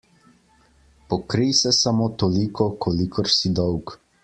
Pokrij se samo toliko, kolikor si dolg.